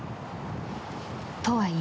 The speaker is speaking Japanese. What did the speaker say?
とはいえ